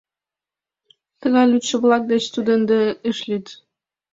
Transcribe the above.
Тыгай лӱдшӧ-влак деч тудо ынде ыш лӱд.